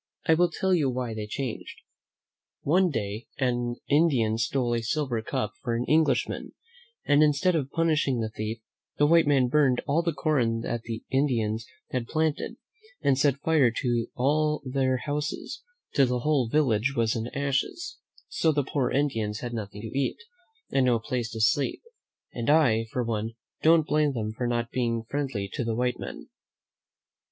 I will tell you why they changed. One day an Indian stole a silver cup from an Englishman, and instead of punish ing the thief, the white men burned all the corn that all the Indians had planted, and set fire to all their houses, till the whole village was in ashes; so the poor Indians had nothing to eat, and no place to sleep, and I, for one, don't blame them for not being friendly to the white men.